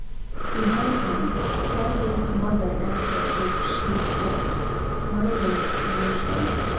Behind him Sergey's mother entered with short steps, smiling strangely.